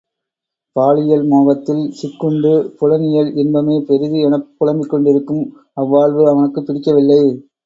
பால் இயல் மோகத்தில் சிக்குண்டு புலன் இயல் இன்பமே பெரிது எனப் புலம்பிக் கொண்டிருக்கும் அவ்வாழ்வு அவனுக்குப் பிடிக்கவில்லை.